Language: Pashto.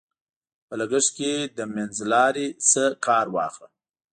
په لګښت کې له منځلارۍ نه کار واخله.